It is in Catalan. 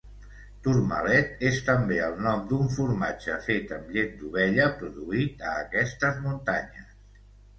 Tormalet és també el nom d'un formatge fet amb llet d'ovella produït a aquestes muntanyes.